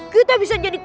kita bisa jadi